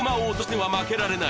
はい。